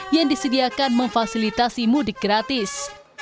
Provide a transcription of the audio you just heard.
yang disediakan memfasilitasi mudik gratis